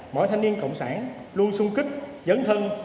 mỗi thanh niên cộng sản luôn sung kích dẫn thân